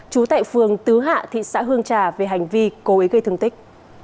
trú tại phường tứ hạ thị xã hương trà về hành vi cố ý gây thương tích